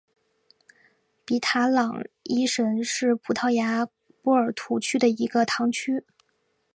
比塔朗伊什是葡萄牙波尔图区的一个堂区。